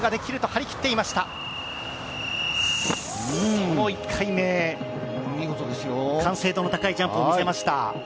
その１回目、完成度の高いジャンプを見せました。